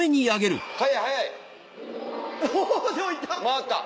回った。